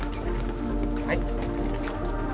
はい？